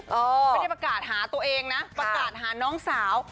ไม่ได้ประกาศหาตัวเองนะประกาศหาน้องสาว